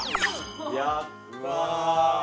やったー！